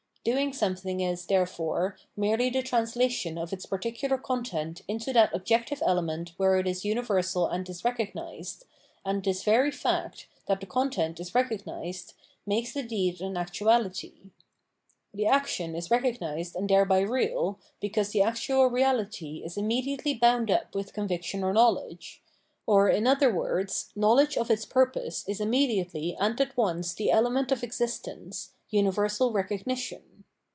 Doing something is, therefore, merely the translation 660 Phenomenology of Mind of its particular content into that objective element where it is universal and is recognised, and this very fact, that the content is recognised, makes the deed an actuahty. The action is recogmsed and thereby real, because the actual reahty is immediately bound up with conviction or knowledge; or, in other words, knowledge of its purpose is immediately and at once the element of existence, universal recognition.